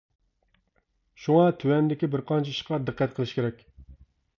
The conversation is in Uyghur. شۇڭا تۆۋەندىكى بىر قانچە ئىشقا دىققەت قىلىش كېرەك.